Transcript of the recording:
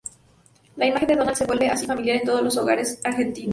La imagen de Donald se vuelve así familiar en todos los hogares argentinos.